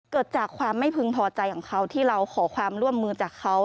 เกิดจากความไม่พึงพอใจของเขาที่เราขอความร่วมมือจากเขา